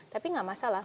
tapi tidak masalah